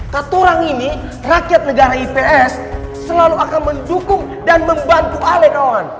katurang ini rakyat negara ips selalu akan mendukung dan membantu alih kawan